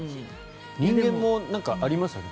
人間もありますよね。